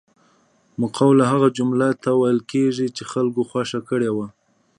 مقوله هغه جملې ته ویل کیږي چې خلکو خوښه کړې وي